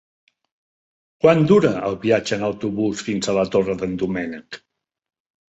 Quant dura el viatge en autobús fins a la Torre d'en Doménec?